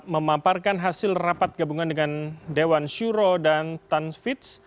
memaparkan hasil rapat gabungan dengan dewan syuroh dan tan fitz